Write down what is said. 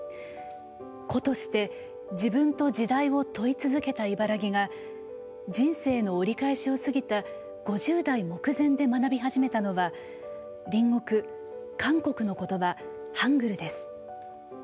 個として自分と時代を問い続けた茨木が人生の折り返しを過ぎた５０代目前で学び始めたのは隣国韓国の言葉ハングルです。